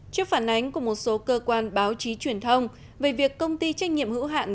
trước phản ánh của một số cơ quan báo chí truyền thông về việc công ty trách nhiệm hữu hạn